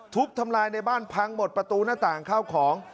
ทุบทำลายในบ้านพังหมดประตูหน้าต่างข้าวของ